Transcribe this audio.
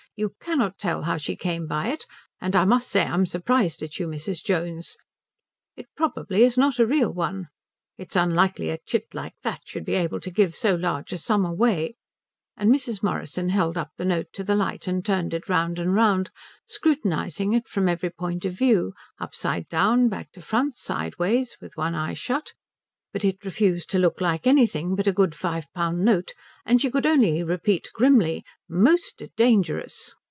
You cannot tell how she came by it, and I must say I'm surprised at you, Mrs. Jones. It probably is not a real one. It is unlikely a chit like that should be able to give so large a sum away " And Mrs. Morrison held up the note to the light and turned it round and round, scrutinizing it from every point of view, upside down, back to front, sideways, with one eye shut; but it refused to look like anything but a good five pound note, and she could only repeat grimly "Most dangerous."